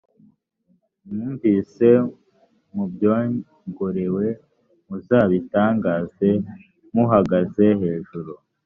mwumvise mubyongorewe muzabitangaze muhagaze hejuru